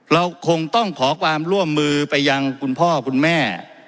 เราคงต้องขอความร่วมมือไปยังคุณพ่อคุณแม่